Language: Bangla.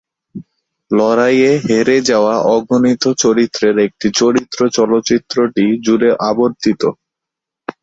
লড়াইয়ে হেরে যাওয়া অগণিত চরিত্রের একটি চরিত্র চলচ্চিত্রটি জুড়ে আবর্তিত।